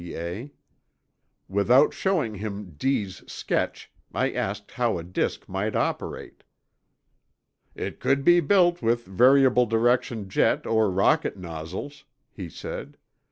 C.A. Without showing him D———'s sketch, I asked how a disk might operate. "It could be built with variable direction jet or rocket nozzles," be said.